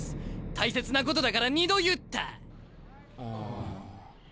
大切なことだから２度言った。